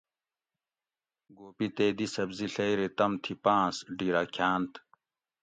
گوپی تے دی سبزی ڷئیری تم تھی پاۤنس ڈِھیرہ کھاۤنت